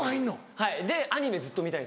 はいでアニメずっと見たい。